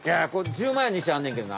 １０万円の石あんねんけどな。